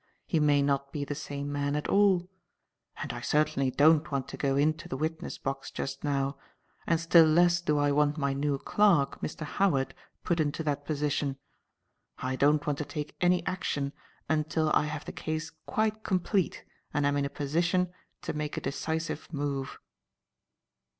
He may not be the same man at all. And I certainly don't want to go into the witness box just now, and still less do I want my new clerk, Mr. Howard, put into that position. I don't want to take any action until I have the case quite complete and am in a position to make a decisive move."